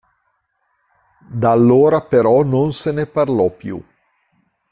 Da allora però non se ne parlò più.